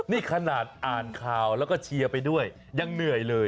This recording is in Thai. นี่ขนาดอ่านข่าวแล้วก็เชียร์ไปด้วยยังเหนื่อยเลย